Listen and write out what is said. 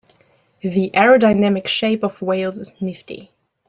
The aerodynamic shape of whales is nifty.